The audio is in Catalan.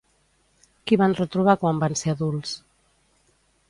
Qui van retrobar quan van ser adults?